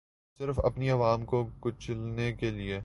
صرف اپنی عوام کو کچلنے کیلیے